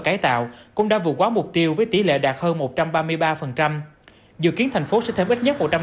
cải tạo cũng đã vượt qua mục tiêu với tỷ lệ đạt hơn một trăm ba mươi ba dự kiến thành phố sẽ thêm ít nhất một trăm năm mươi